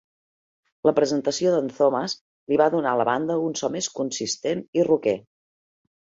La presentació d'en Thomas li va donar a la banda un so més consistent i roquer.